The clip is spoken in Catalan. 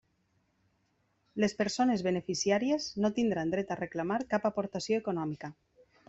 Les persones beneficiàries no tindran dret a reclamar cap aportació econòmica.